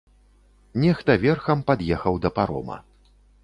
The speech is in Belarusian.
Нехта верхам пад'ехаў да парома.